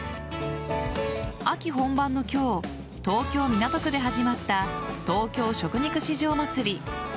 秋本番の今日東京・港区で始まった東京食肉市場まつり。